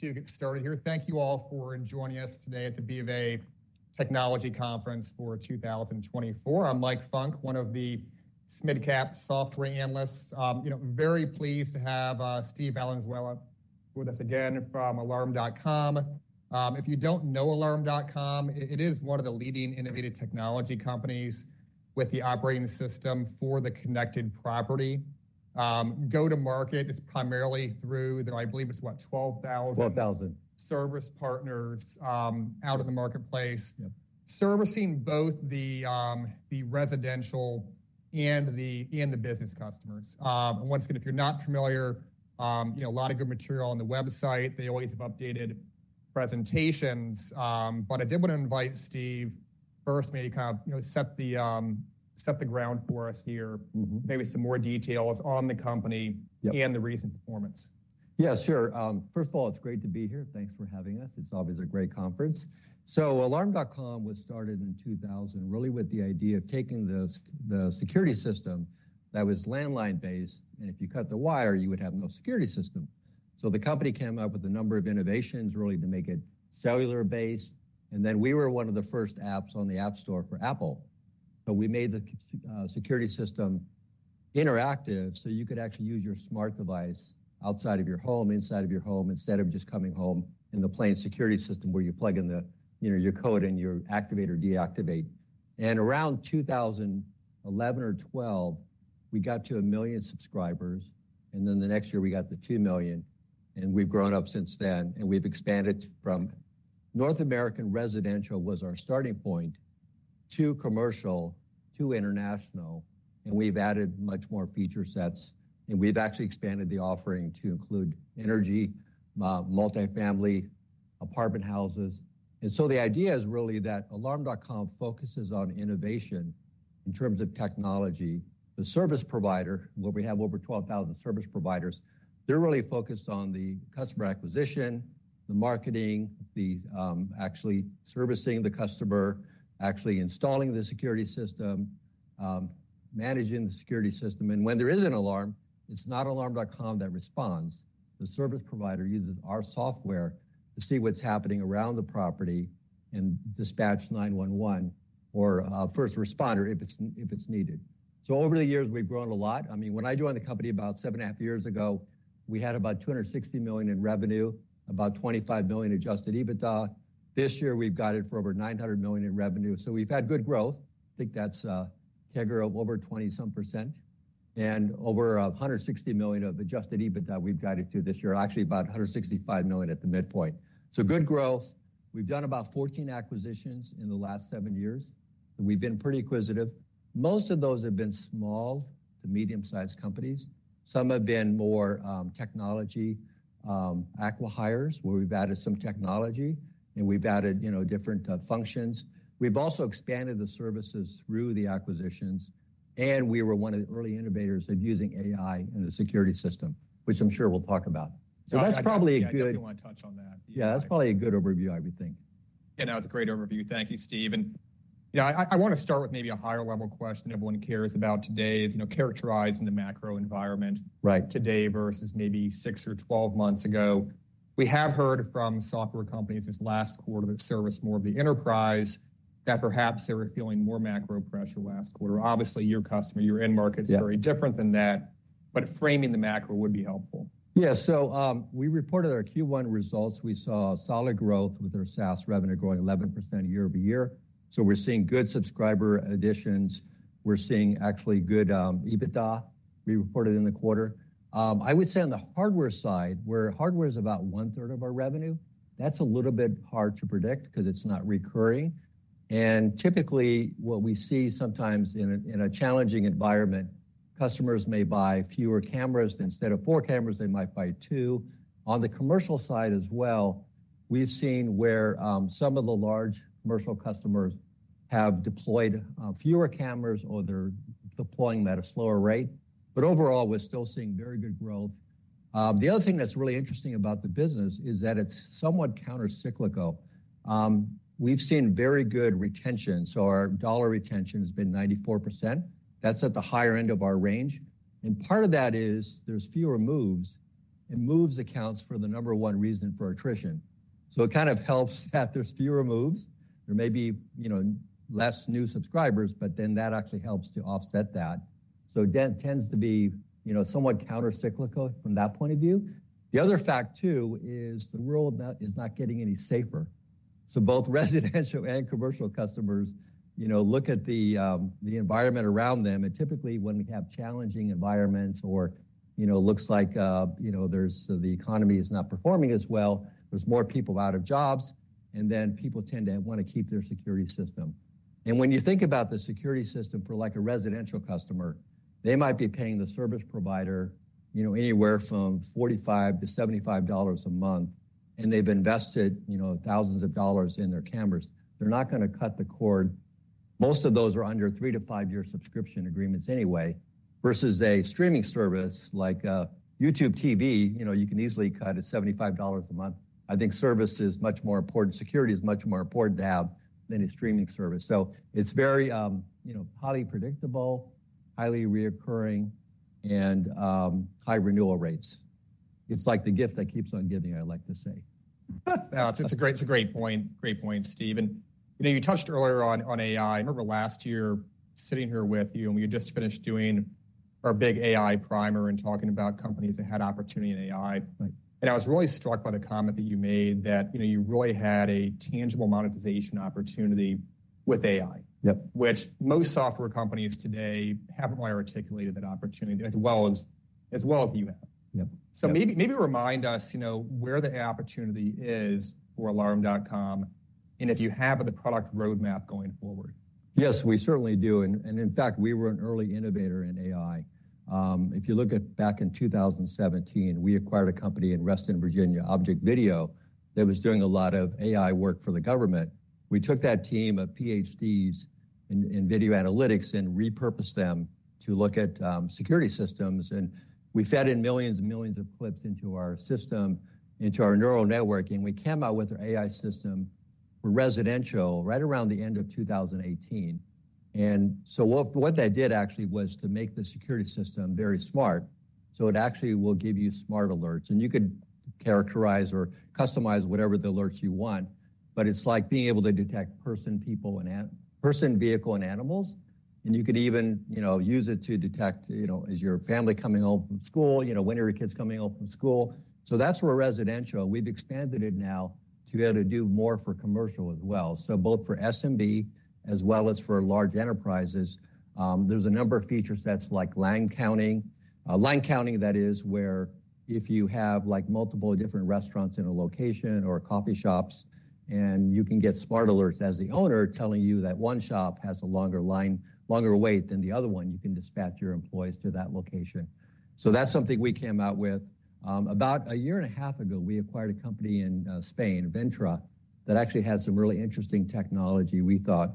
To get started here, thank you all for joining us today at the BofA Technology Conference for 2024. I'm Mike Funk, one of the SMID cap software analysts. You know, I'm very pleased to have Steve Valenzuela with us again from Alarm.com. If you don't know Alarm.com, it, it is one of the leading innovative technology companies with the operating system for the connected property. Go-to-market is primarily through, I believe it's what? 12,000- Twelve thousand. -service partners, out in the marketplace. Yep. Servicing both the residential and the business customers. And once again, if you're not familiar, you know, a lot of good material on the website. They always have updated presentations. But I did want to invite Steve first, maybe kind of, you know, set the ground for us here. Mm-hmm. Maybe some more details on the company- Yep. and the recent performance. Yeah, sure. First of all, it's great to be here. Thanks for having us. It's always a great conference. So Alarm.com was started in 2000, really, with the idea of taking the security system that was landline-based, and if you cut the wire, you would have no security system. So the company came up with a number of innovations really to make it cellular based, and then we were one of the first apps on the App Store for Apple. But we made the security system interactive, so you could actually use your smart device outside of your home, inside of your home, instead of just coming home in the plain security system, where you plug in the, you know, your code, and you activate or deactivate. Around 2011 or 2012, we got to 1 million subscribers, and then the next year, we got to 2 million, and we've grown up since then, and we've expanded from... North American Residential was our starting point, to commercial, to international, and we've added much more feature sets, and we've actually expanded the offering to include energy, multifamily apartment houses. So the idea is really that Alarm.com focuses on innovation in terms of technology. The service provider, where we have over 12,000 service providers, they're really focused on the customer acquisition, the marketing, the actually servicing the customer, actually installing the security system, managing the security system. And when there is an alarm, it's not Alarm.com that responds. The service provider uses our software to see what's happening around the property and dispatch 911 or a first responder if it's, if it's needed. So over the years, we've grown a lot. I mean, when I joined the company about 7.5 years ago, we had about $260 million in revenue, about $25 million adjusted EBITDA. This year, we've guided for over $900 million in revenue, so we've had good growth. I think that's a CAGR of over 20-some percent and over $160 million of adjusted EBITDA we've guided to this year. Actually, about $165 million at the midpoint. So good growth. We've done about 14 acquisitions in the last 7 years, and we've been pretty acquisitive. Most of those have been small to medium-sized companies. Some have been more technology acqui-hires, where we've added some technology, and we've added, you know, different functions. We've also expanded the services through the acquisitions, and we were one of the early innovators of using AI in the security system, which I'm sure we'll talk about. So that's probably a good- Yeah, I definitely want to touch on that. Yeah, that's probably a good overview, I would think. Yeah, no, it's a great overview. Thank you, Steve. And yeah, I want to start with maybe a higher-level question everyone cares about today is, you know, characterizing the macro environment- Right... today versus maybe 6 or 12 months ago. We have heard from software companies this last quarter that service more of the enterprise, that perhaps they were feeling more macro pressure last quarter. Obviously, your customer, your end market- Yeah... is very different than that, but framing the macro would be helpful. Yeah. So, we reported our Q1 results. We saw solid growth with our SaaS revenue growing 11% year-over-year. So we're seeing good subscriber additions. We're seeing actually good EBITDA. We reported in the quarter. I would say on the hardware side, where hardware is about one-third of our revenue, that's a little bit hard to predict because it's not recurring. And typically, what we see sometimes in a challenging environment, customers may buy fewer cameras. Instead of four cameras, they might buy two. On the commercial side as well, we've seen where some of the large commercial customers have deployed fewer cameras or they're deploying them at a slower rate. But overall, we're still seeing very good growth. The other thing that's really interesting about the business is that it's somewhat countercyclical. We've seen very good retention, so our dollar retention has been 94%. That's at the higher end of our range. Part of that is there's fewer moves, and moves accounts for the number one reason for attrition. It kind of helps that there's fewer moves. There may be, you know, less new subscribers, but then that actually helps to offset that. So that tends to be, you know, somewhat countercyclical from that point of view. The other fact, too, is the world is not getting any safer. Both residential and commercial customers, you know, look at the the environment around them, and typically, when we have challenging environments or, you know, looks like, you know, there's... The economy is not performing as well, there's more people out of jobs, and then people tend to want to keep their security system. And when you think about the security system for, like, a residential customer, they might be paying the service provider, you know, anywhere from $45-$75 a month, and they've invested, you know, thousands of dollars in their cameras. They're not gonna cut the cord. Most of those are under 3- to 5-year subscription agreements anyway, versus a streaming service like YouTube TV. You know, you can easily cut at $75 a month. I think service is much more important. Security is much more important to have than a streaming service. So it's very, you know, highly predictable, highly recurring and high renewal rates. It's like the gift that keeps on giving, I like to say. No, it's a great, it's a great point. Great point, Steve. And, you know, you touched earlier on AI. I remember last year sitting here with you, and we had just finished doing our big AI primer and talking about companies that had opportunity in AI. Right. I was really struck by the comment that you made that, you know, you really had a tangible monetization opportunity with AI- Yep which most software companies today haven't really articulated that opportunity as well as, as well as you have. Yep. Maybe, maybe remind us, you know, where the opportunity is for Alarm.com, and if you have the product roadmap going forward. Yes, we certainly do. And in fact, we were an early innovator in AI. If you look back in 2017, we acquired a company in Reston, Virginia, ObjectVideo, that was doing a lot of AI work for the government. We took that team of PhDs in video analytics and repurposed them to look at security systems, and we fed in millions and millions of clips into our system, into our neural network, and we came out with an AI system for residential right around the end of 2018. And so what that did actually was to make the security system very smart. So it actually will give you smart alerts, and you could characterize or customize whatever the alerts you want, but it's like being able to detect person, vehicle, and animals. And you could even, you know, use it to detect, you know, is your family coming home from school, you know, when are your kids coming home from school? So that's for residential. We've expanded it now to be able to do more for commercial as well. So both for SMB as well as for large enterprises, there's a number of feature sets like line counting. Line counting, that is, where if you have, like, multiple different restaurants in a location or coffee shops, and you can get smart alerts as the owner telling you that one shop has a longer line, longer wait than the other one, you can dispatch your employees to that location. So that's something we came out with. About a year and a half ago, we acquired a company in Spain, Vintra, that actually had some really interesting technology, we thought,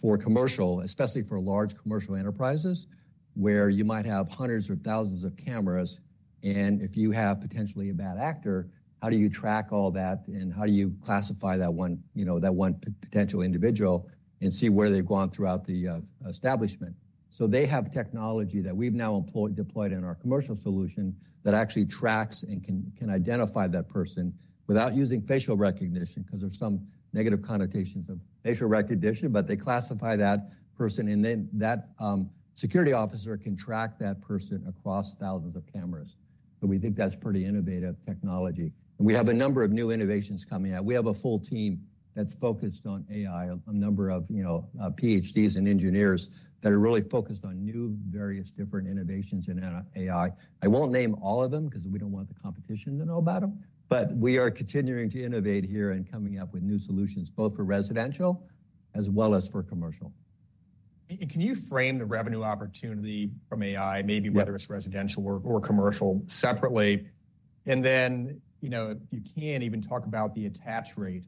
for commercial, especially for large commercial enterprises, where you might have hundreds or thousands of cameras, and if you have potentially a bad actor, how do you track all that, and how do you classify that one, you know, that one potential individual and see where they've gone throughout the establishment? So they have technology that we've now employed, deployed in our commercial solution that actually tracks and can identify that person without using facial recognition, 'cause there's some negative connotations of facial recognition, but they classify that person, and then that security officer can track that person across thousands of cameras. So we think that's pretty innovative technology. And we have a number of new innovations coming out. We have a full team that's focused on AI, a number of, you know, PhDs and engineers that are really focused on new, various different innovations in AI. I won't name all of them 'cause we don't want the competition to know about them, but we are continuing to innovate here and coming up with new solutions, both for residential as well as for commercial. Can you frame the revenue opportunity from AI? Yeah... maybe whether it's residential or commercial separately? And then, you know, if you can, even talk about the attach rate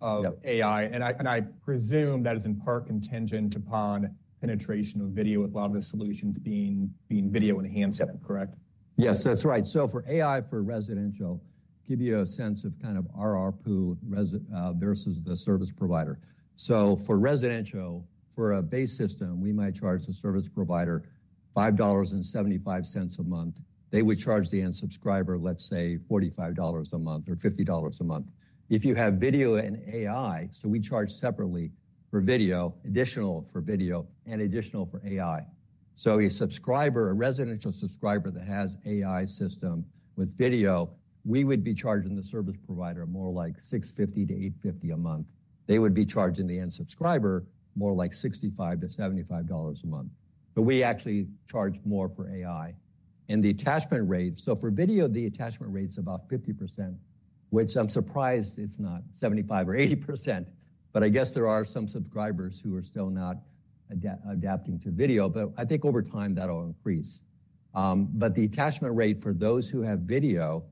of- Yep... AI. And I presume that is in part contingent upon penetration of video, with a lot of the solutions being video-enhanced, correct? Yes, that's right. So for AI, for residential, give you a sense of kind of ARPU res versus the service provider. So for residential, for a base system, we might charge the service provider $5.75 a month. They would charge the end subscriber, let's say, $45 a month or $50 a month. If you have video and AI, so we charge separately for video, additional for video and additional for AI. So a subscriber, a residential subscriber that has AI system with video, we would be charging the service provider more like $6.50-$8.50 a month. They would be charging the end subscriber more like $65-$75 a month. But we actually charge more for AI. And the attachment rate... So for video, the attachment rate's about 50%, which I'm surprised it's not 75% or 80%, but I guess there are some subscribers who are still not adapting to video, but I think over time that'll increase. But the attachment rate for those who have video,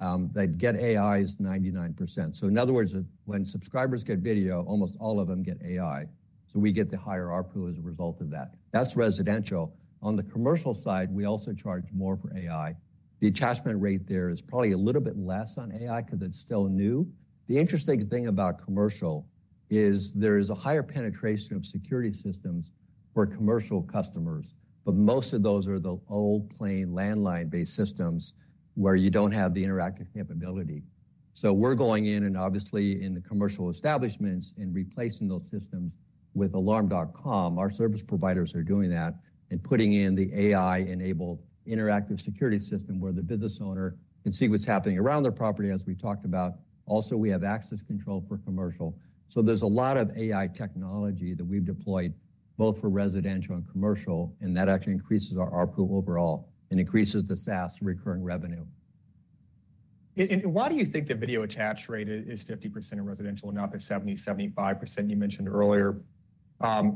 that get AI, is 99%. So in other words, when subscribers get video, almost all of them get AI, so we get the higher ARPU as a result of that. That's residential. On the commercial side, we also charge more for AI. The attachment rate there is probably a little bit less on AI 'cause it's still new. The interesting thing about commercial is there is a higher penetration of security systems for commercial customers, but most of those are the old plain landline-based systems, where you don't have the interactive capability. We're going in and obviously in the commercial establishments and replacing those systems with Alarm.com. Our service providers are doing that and putting in the AI-enabled interactive security system, where the business owner can see what's happening around their property, as we talked about. Also, we have access control for commercial. There's a lot of AI technology that we've deployed, both for residential and commercial, and that actually increases our ARPU overall and increases the SaaS recurring revenue. Why do you think the video attach rate is 50% in residential and not the 70%-75% you mentioned earlier?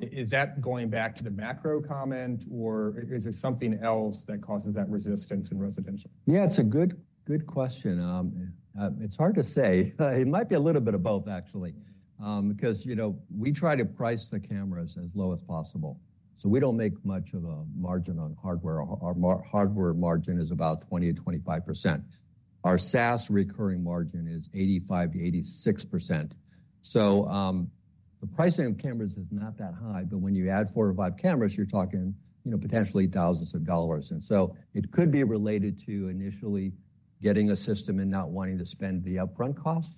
Is that going back to the macro comment, or is there something else that causes that resistance in residential? Yeah, it's a good, good question. It's hard to say. It might be a little bit of both, actually, because, you know, we try to price the cameras as low as possible, so we don't make much of a margin on hardware. Our hardware margin is about 20%-25%. Our SaaS recurring margin is 85%-86%. The pricing of cameras is not that high, but when you add four or five cameras, you're talking, you know, potentially thousands of dollars. And so it could be related to initially getting a system and not wanting to spend the upfront costs,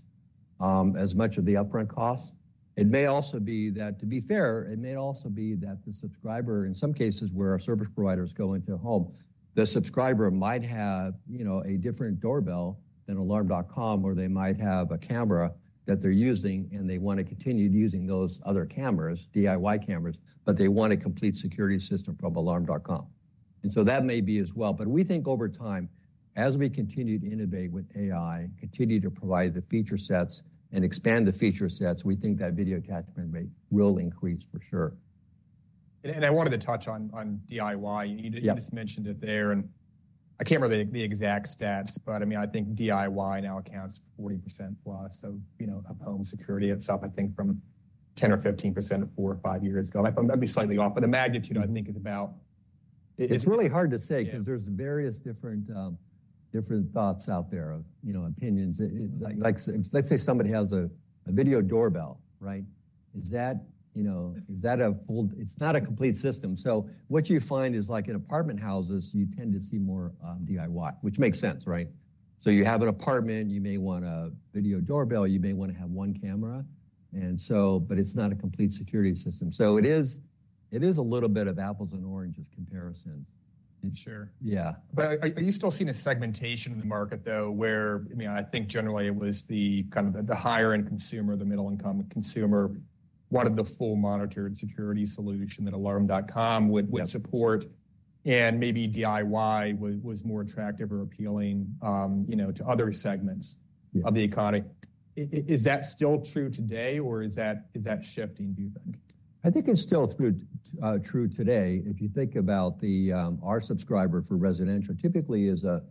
as much of the upfront costs. It may also be that, to be fair, it may also be that the subscriber, in some cases, where our service providers go into a home, the subscriber might have, you know, a different doorbell than Alarm.com, or they might have a camera that they're using, and they want to continue using those other cameras, DIY cameras, but they want a complete security system from Alarm.com. And so that may be as well. But we think over time, as we continue to innovate with AI, continue to provide the feature sets and expand the feature sets, we think that video attachment rate will increase for sure. I wanted to touch on DIY. Yep. You just mentioned it there, and I can't remember the exact stats, but I mean, I think DIY now accounts for 40%+. So, you know, of home security itself, I think from 10%-15% 4-5 years ago. I may be slightly off, but the magnitude, I think, is about- It's really hard to say. Yeah... 'cause there's various different, different thoughts out there, of, you know, opinions. Mm-hmm. Like, let's say somebody has a video doorbell, right? Is that, you know, is that a full... It's not a complete system. So what you find is, like in apartment houses, you tend to see more DIY, which makes sense, right? So you have an apartment, you may want a video doorbell, you may want to have one camera, and so, but it's not a complete security system. So it is a little bit of apples and oranges comparisons. Sure. Yeah. But are you still seeing a segmentation in the market, though, where, I mean, I think generally it was the kind of the higher-end consumer, the middle-income consumer, wanted the full monitored security solution that Alarm.com would- Yep... would support, and maybe DIY was, was more attractive or appealing, you know, to other segments- Yeah... of the economy. Is that still true today, or is that shifting, do you think? I think it's still true today. If you think about our subscriber for residential typically is a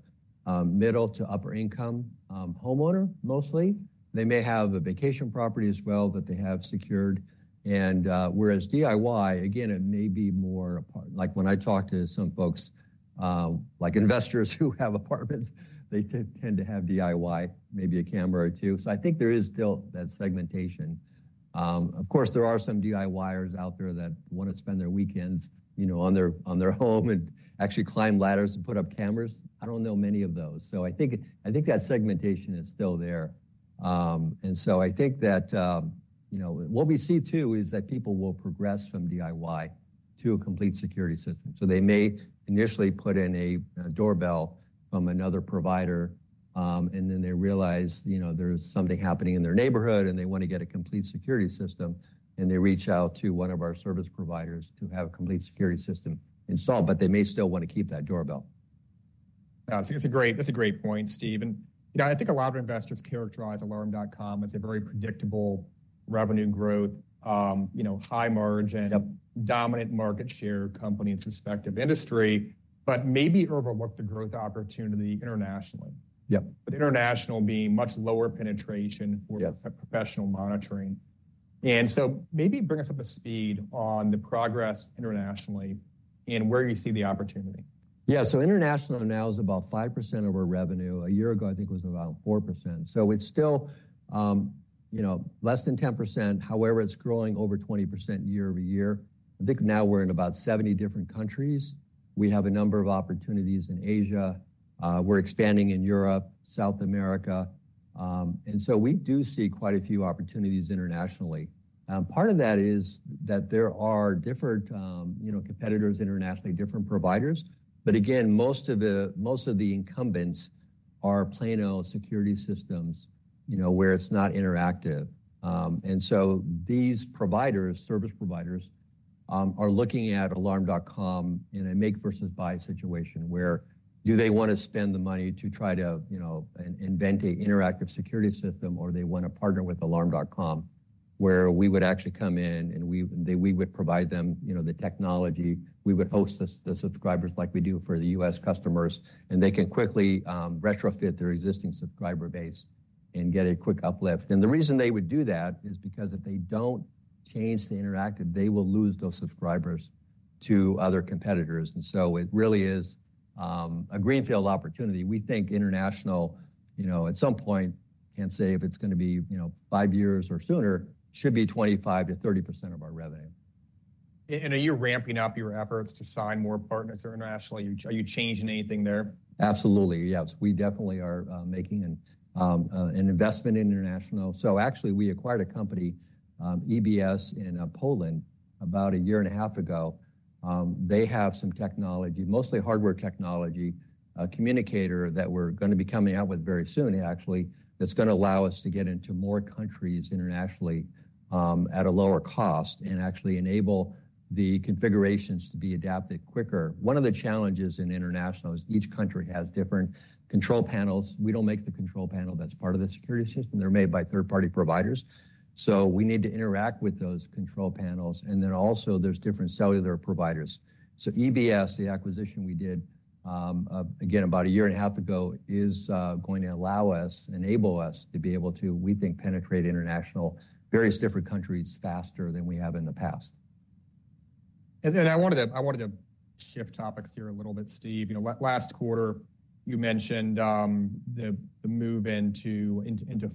middle to upper income homeowner, mostly. They may have a vacation property as well, that they have secured. And, whereas DIY, again, it may be more. Like, when I talk to some folks, like investors who have apartments, they tend to have DIY, maybe a camera or two. So I think there is still that segmentation. Of course, there are some DIYers out there that want to spend their weekends, you know, on their, on their home and actually climb ladders to put up cameras. I don't know many of those. So I think, I think that segmentation is still there. I think that, you know, what we see, too, is that people will progress from DIY to a complete security system. So they may initially put in a doorbell from another provider, and then they realize, you know, there's something happening in their neighborhood, and they want to get a complete security system, and they reach out to one of our service providers to have a complete security system installed. But they may still want to keep that doorbell. That's a great, that's a great point, Steve. And, you know, I think a lot of investors characterize Alarm.com as a very predictable revenue growth, you know, high margin- Yep... dominant market share company in its respective industry, but maybe overlook the growth opportunity internationally. Yep. With international being much lower penetration- Yep... for professional monitoring. Maybe bring us up to speed on the progress internationally and where you see the opportunity. Yeah. So international now is about 5% of our revenue. A year ago, I think it was about 4%, so it's still, you know, less than 10%. However, it's growing over 20% year-over-year. I think now we're in about 70 different countries. We have a number of opportunities in Asia. We're expanding in Europe, South America, and so we do see quite a few opportunities internationally. And part of that is that there are different, you know, competitors internationally, different providers. But again, most of the, most of the incumbents are plain old security systems, you know, where it's not interactive. And so these providers, service providers, are looking at Alarm.com in a make-versus-buy situation, where do they want to spend the money to try to, you know, invent an interactive security system, or they want to partner with Alarm.com, where we would actually come in, and we would provide them, you know, the technology. We would host the subscribers like we do for the U.S. customers, and they can quickly retrofit their existing subscriber base and get a quick uplift. The reason they would do that is because if they don't change to interactive, they will lose those subscribers to other competitors. It really is a greenfield opportunity. We think international, you know, at some point, can't say if it's gonna be, you know, five years or sooner, should be 25%-30% of our revenue. Are you ramping up your efforts to sign more partners internationally? Are you changing anything there? Absolutely, yes. We definitely are making an investment in international. So actually, we acquired a company, EBS in Poland, about a year and a half ago. They have some technology, mostly hardware technology, a communicator that we're gonna be coming out with very soon, actually, that's gonna allow us to get into more countries internationally at a lower cost and actually enable the configurations to be adapted quicker. One of the challenges in international is each country has different control panels. We don't make the control panel that's part of the security system. They're made by third-party providers, so we need to interact with those control panels. And then also, there's different cellular providers. So EBS, the acquisition we did, again, about a year and a half ago, is going to allow us, enable us, to be able to, we think, penetrate international, various different countries faster than we have in the past. I wanted to shift topics here a little bit, Steve. You know, last quarter, you mentioned the move into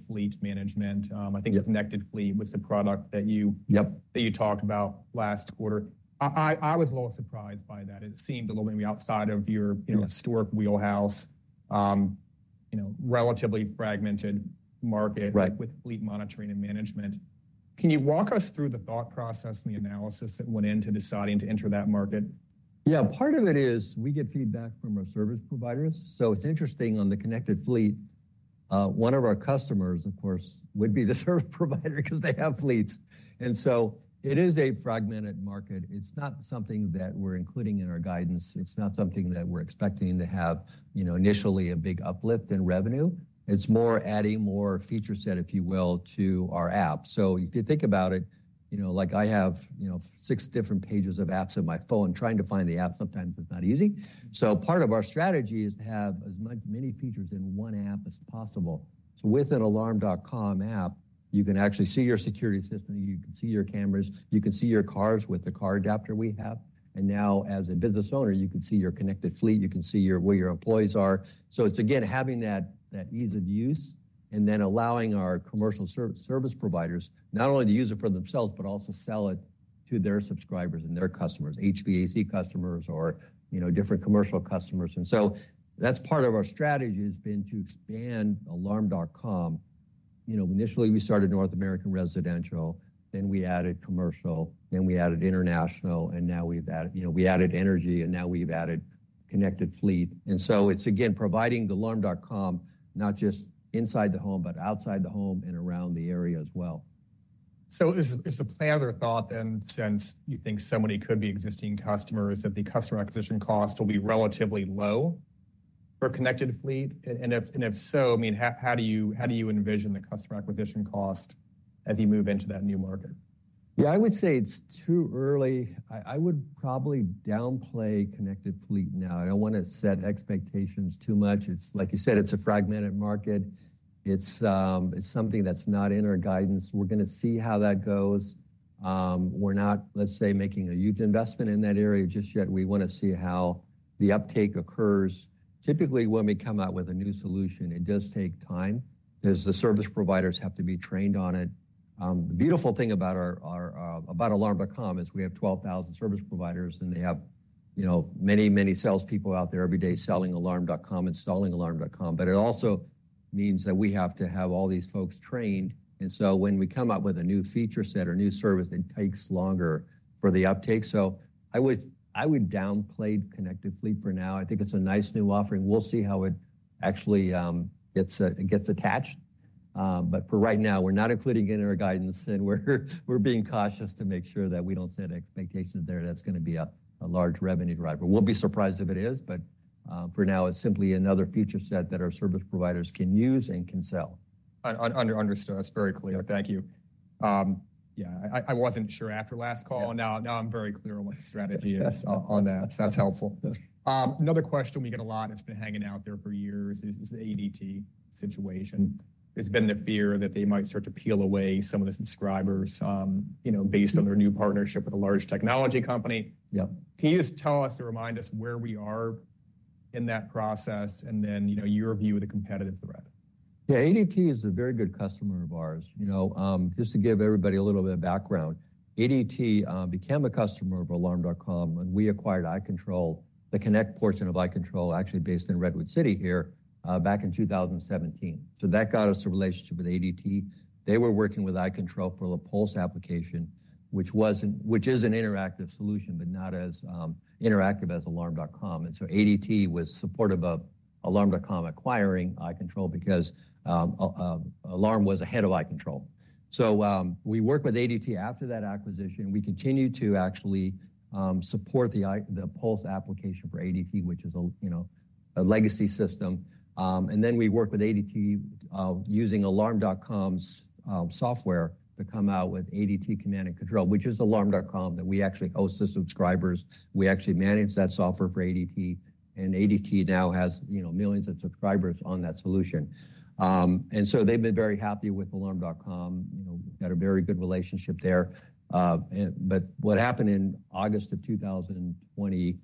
fleet management. I think-Connected Fleet was the product that you- Yep. -that you talked about last quarter. I was a little surprised by that. It seemed a little maybe outside of your, you know- Yeah -historic wheelhouse, you know, relatively fragmented market- Right with fleet monitoring and management. Can you walk us through the thought process and the analysis that went into deciding to enter that market? Yeah. Part of it is we get feedback from our service providers. So it's interesting, on the Connected Fleet, one of our customers, of course, would be the service provider because they have fleets, and so it is a fragmented market. It's not something that we're including in our guidance. It's not something that we're expecting to have, you know, initially a big uplift in revenue. It's more adding more feature set, if you will, to our app. So if you think about it, you know, like I have, you know, six different pages of apps on my phone, trying to find the app sometimes is not easy. So part of our strategy is to have as many features in one app as possible. So with an Alarm.com app, you can actually see your security system, you can see your cameras, you can see your cars with the car adapter we have, and now, as a business owner, you can see your Connected Fleet, you can see your, where your employees are. So it's, again, having that, that ease of use and then allowing our commercial service providers, not only to use it for themselves, but also sell it to their subscribers and their customers, HVAC customers or, you know, different commercial customers. And so that's part of our strategy, has been to expand Alarm.com. You know, initially, we started North American Residential, then we added Commercial, then we added International, and now we've added... You know, we added Energy, and now we've added Connected Fleet. And so it's, again, providing the Alarm.com not just inside the home, but outside the home and around the area as well. So is the plan or thought then, since you think so many could be existing customers, that the customer acquisition cost will be relatively low for Connected Fleet? And if so, I mean, how do you envision the customer acquisition cost as you move into that new market? Yeah, I would say it's too early. I would probably downplay Connected Fleet now. I don't want to set expectations too much. It's, like you said, it's a fragmented market. It's something that's not in our guidance. We're going to see how that goes. We're not, let's say, making a huge investment in that area just yet. We want to see how the uptake occurs. Typically, when we come out with a new solution, it does take time because the service providers have to be trained on it. The beautiful thing about Alarm.com is we have 12,000 service providers, and they have, you know, many, many salespeople out there every day selling Alarm.com, installing Alarm.com. But it also means that we have to have all these folks trained, and so when we come up with a new feature set or new service, it takes longer for the uptake. So I would downplay Connected Fleet for now. I think it's a nice new offering. We'll see how it actually gets attached. But for right now, we're not including it in our guidance, and we're being cautious to make sure that we don't set expectations there that's going to be a large revenue driver. We'll be surprised if it is, but for now, it's simply another feature set that our service providers can use and can sell. Understood. That's very clear. Yeah. Thank you. Yeah, I wasn't sure after last call. Yeah. Now, now I'm very clear on what the strategy is... on that, so that's helpful. Yeah. Another question we get a lot, and it's been hanging out there for years, is the ADT situation. There's been the fear that they might start to peel away some of the subscribers, you know, based on their new partnership with a large technology company. Yep. Can you just tell us or remind us where we are in that process, and then, you know, your view of the competitive threat? Yeah. ADT is a very good customer of ours. You know, just to give everybody a little bit of background, ADT became a customer of Alarm.com when we acquired iControl, the Connect portion of iControl, actually based in Redwood City here, back in 2017. So that got us a relationship with ADT. They were working with iControl for the Pulse application, which is an interactive solution, but not as interactive as Alarm.com. And so ADT was supportive of Alarm.com acquiring iControl because Alarm was ahead of iControl. So, we worked with ADT after that acquisition. We continued to actually support the Pulse application for ADT, which is a, you know, a legacy system. Then we worked with ADT using Alarm.com's software to come out with ADT Command and Control, which is Alarm.com that we actually host the subscribers. We actually manage that software for ADT, and ADT now has, you know, millions of subscribers on that solution. And so they've been very happy with Alarm.com, you know, got a very good relationship there. But what happened in August of 2020,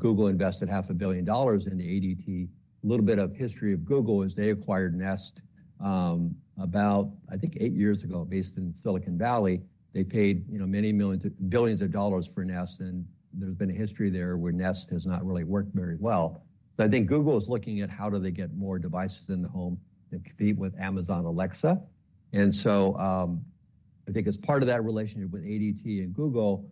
Google invested $500 million into ADT. A little bit of history of Google is they acquired Nest about, I think, eight years ago, based in Silicon Valley. They paid, you know, many millions, billions of dollars for Nest, and there's been a history there where Nest has not really worked very well. So I think Google is looking at how do they get more devices in the home and compete with Amazon Alexa. And so, I think as part of that relationship with ADT and Google,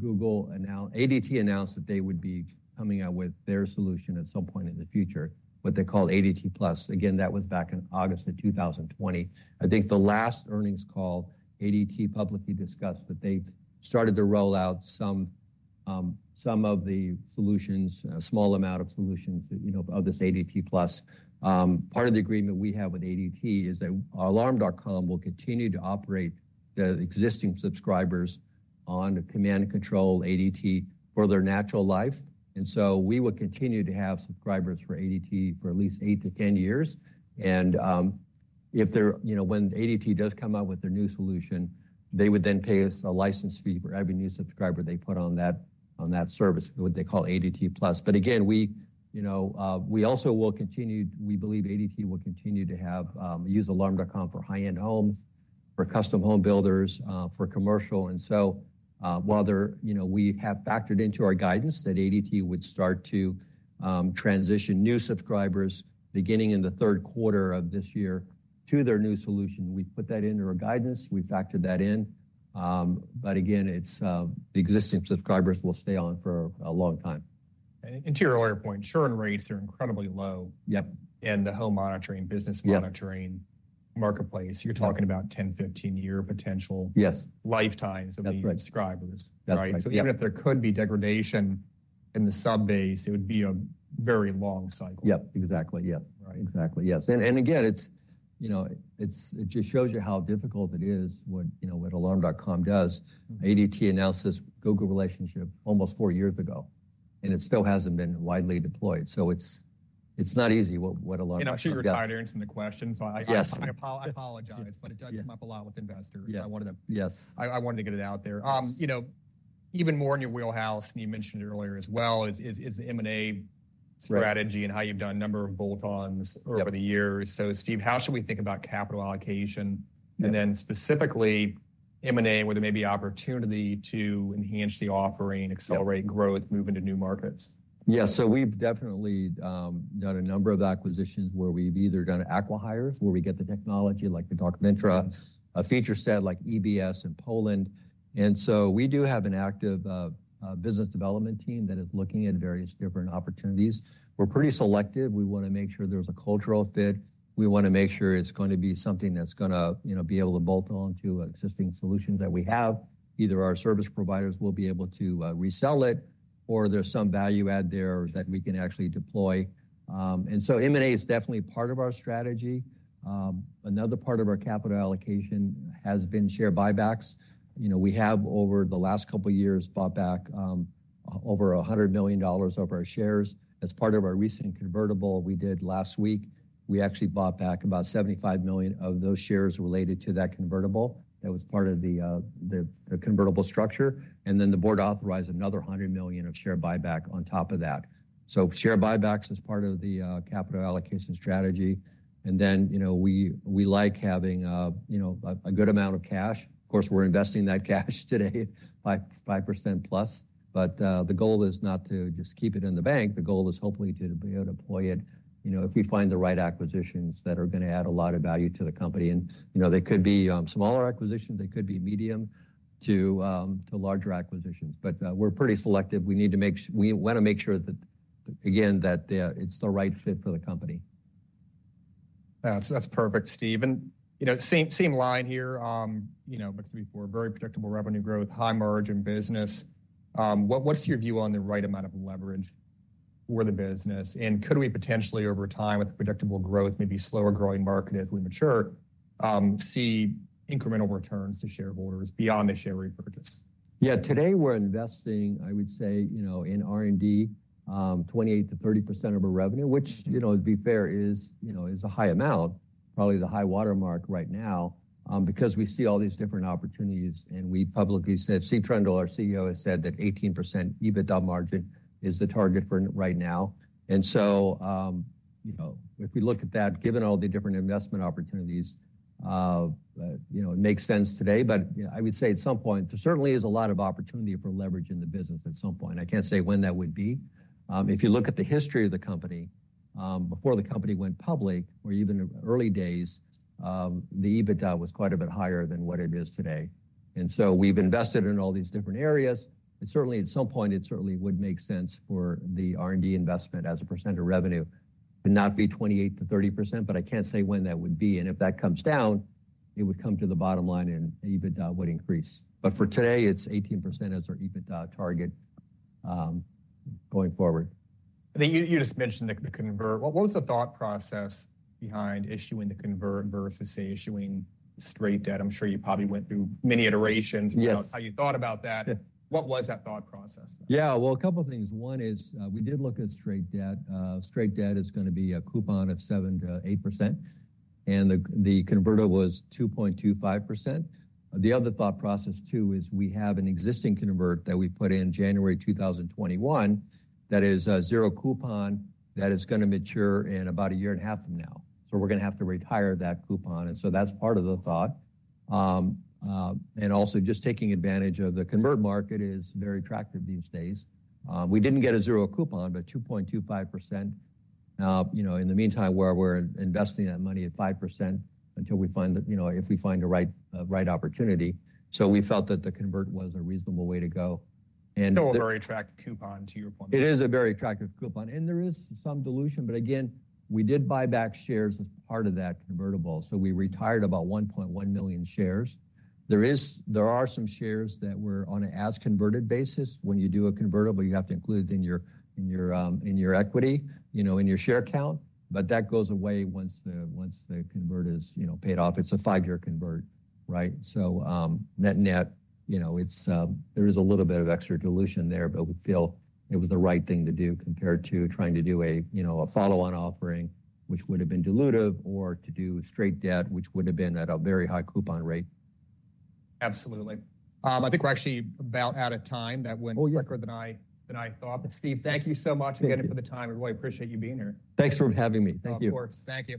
Google announced... ADT announced that they would be coming out with their solution at some point in the future, what they called ADTAgain, that was back in August of 2020. I think the last earnings call, ADT publicly discussed that they've started to roll out some, some of the solutions, a small amount of solutions, you know, of this ADT Plus. Part of the agreement we have with ADT is that Alarm.com will continue to operate the existing subscribers on the ADT Command and Control for their natural life, and so we will continue to have subscribers for ADT for at least 8-10 years, and, if they're, you know, when ADT does come out with their new solution, they would then pay us a license fee for every new subscriber they put on that, on that service, what they call ADT Plus. But again, we, you know, we also will continue, we believe ADT will continue to have, use Alarm.com for high-end homes, for custom home builders, for commercial, and so, while they're, you know, we have factored into our guidance that ADT would start to, transition new subscribers beginning in the third quarter of this year to their new solution. We've put that into our guidance. We've factored that in. But again, it's the existing subscribers will stay on for a long time. To your earlier point, churn rates are incredibly low- Yep. in the home monitoring business Yep -monitoring marketplace. You're talking about 10-15-year potential- Yes lifetimes of the That's right -subscribers. That's right. Even if there could be degradation in the sub base, it would be a very long cycle. Yep, exactly, yeah. Right. Exactly, yes. And again, it's, you know, it just shows you how difficult it is, what, you know, what Alarm.com does. ADT announced this Google relationship almost four years ago, and it still hasn't been widely deployed. So it's not easy what Alarm.com- And I'm sure you're tired of answering the question, so I- Yes. I apologize, but it does come up a lot with investors. Yeah. I wanted to- Yes. I wanted to get it out there. You know, even more in your wheelhouse, and you mentioned it earlier as well, is the M&A strategy- Right and how you've done a number of bolt-ons Yep over the years. So, Steve, how should we think about capital allocation? Yeah. And then specifically, M&A, where there may be opportunity to enhance the offering, accelerate growth, move into new markets. Yeah. So we've definitely done a number of acquisitions where we've either done acquihires, where we get the technology, like we talked Vintra, a feature set like EBS in Poland. And so we do have an active business development team that is looking at various different opportunities. We're pretty selective. We wanna make sure there's a cultural fit. We wanna make sure it's going to be something that's gonna, you know, be able to bolt on to an existing solution that we have. Either our service providers will be able to resell it, or there's some value add there that we can actually deploy. And so M&A is definitely part of our strategy. Another part of our capital allocation has been share buybacks. You know, we have, over the last couple of years, bought back over $100 million of our shares. As part of our recent convertible we did last week, we actually bought back about 75 million of those shares related to that convertible. That was part of the convertible structure, and then the board authorized another 100 million of share buyback on top of that. So share buybacks is part of the capital allocation strategy, and then, you know, we, we like having a, you know, a good amount of cash. Of course, we're investing that cash today by 5%+, but the goal is not to just keep it in the bank. The goal is hopefully to be able to deploy it, you know, if we find the right acquisitions that are gonna add a lot of value to the company. And, you know, they could be smaller acquisitions, they could be medium to larger acquisitions. But, we're pretty selective. We need to make sure... We wanna make sure that, again, that it's the right fit for the company. That's, that's perfect, Steve. And, you know, same, same line here, you know, but we're very predictable revenue growth, high margin business. What, what's your view on the right amount of leverage for the business? And could we potentially, over time, with predictable growth, maybe slower growing market as we mature, see incremental returns to shareholders beyond the share repurchase? Yeah, today we're investing, I would say, you know, in R&D, 28%-30% of our revenue, which, you know, to be fair, is, you know, is a high amount, probably the high-water mark right now, because we see all these different opportunities, and we publicly said, Steve Trundle, our CEO, has said that 18% EBITDA margin is the target for right now. And so, you know, if we look at that, given all the different investment opportunities, you know, it makes sense today. But, you know, I would say at some point, there certainly is a lot of opportunity for leverage in the business at some point. I can't say when that would be. If you look at the history of the company, before the company went public or even in the early days, the EBITDA was quite a bit higher than what it is today. And so we've invested in all these different areas, and certainly at some point, it certainly would make sense for the R&D investment as a percent of revenue. It would not be 28%-30%, but I can't say when that would be, and if that comes down, it would come to the bottom line and EBITDA would increase. But for today, it's 18% as our EBITDA target, going forward. You just mentioned the convert. What was the thought process behind issuing the convert versus, say, issuing straight debt? I'm sure you probably went through many iterations- Yes About how you thought about that. Yeah. What was that thought process? Yeah, well, a couple of things. One is, we did look at straight debt. Straight debt is gonna be a coupon of 7%-8%, and the, the converter was 2.25%. The other thought process, too, is we have an existing convert that we put in January 2021, that is a zero coupon that is gonna mature in about a year and a half from now. So we're gonna have to retire that coupon, and so that's part of the thought. And also just taking advantage of the convert market is very attractive these days. We didn't get a zero coupon, but 2.25%. You know, in the meantime, we're, we're investing that money at 5% until we find, you know, if we find the right, right opportunity. So we felt that the convertible was a reasonable way to go, and- Still a very attractive coupon, to your point. It is a very attractive coupon, and there is some dilution, but again, we did buy back shares as part of that convertible, so we retired about 1.1 million shares. There are some shares that were on an as converted basis. When you do a convertible, you have to include in your equity, you know, in your share count, but that goes away once the convert is, you know, paid off. It's a five-year convert, right? So, net-net, you know, it's there is a little bit of extra dilution there, but we feel it was the right thing to do compared to trying to do a, you know, a follow-on offering, which would have been dilutive, or to do straight debt, which would have been at a very high coupon rate. Absolutely. I think we're actually about out of time. Oh, yeah. That went quicker than I thought. But Steve, thank you so much again- Thank you... for the time. I really appreciate you being here. Thanks for having me. Thank you. Of course. Thank you.